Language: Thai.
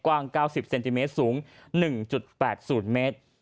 กว้าง๙๐เซนติเมตรสูง๑๘๐เมตร